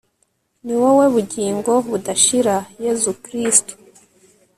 r/ ni wowe bugingo budashira, yezu kristu